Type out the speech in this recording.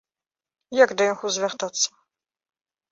Як да яго звяртацца?